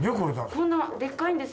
こんなでっかいんです。